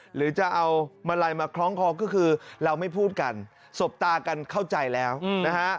หรือจะเอามาลัยมาคล้องคอก็คือเราไม่พูดกันสบตากันเข้าใจแล้วนะฮะ